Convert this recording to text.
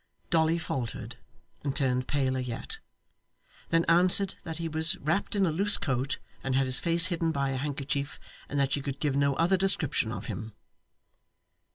Dolly faltered and turned paler yet; then answered that he was wrapped in a loose coat and had his face hidden by a handkerchief and that she could give no other description of him.